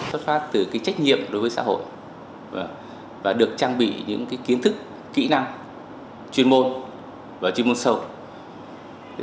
xuất phát từ trách nhiệm đối với xã hội và được trang bị những kiến thức kỹ năng chuyên môn và chuyên môn sâu